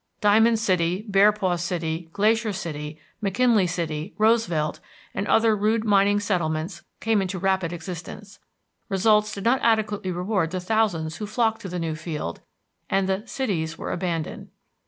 Diamond City, Bearpaw City, Glacier City, McKinley City, Roosevelt, and other rude mining settlements came into rapid existence. Results did not adequately reward the thousands who flocked to the new field, and the "cities" were abandoned.